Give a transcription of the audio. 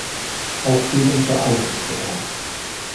Auch Bildung für alle müsste her.